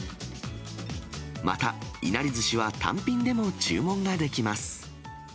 また、いなりずしは単品でも注文ができます。